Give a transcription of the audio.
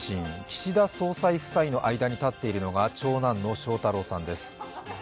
岸田総裁夫妻の間に立っているのが長男の翔太郎さんです。